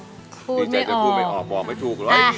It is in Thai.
ใจจะพูดไม่ออกบอกไม่ถูกเลย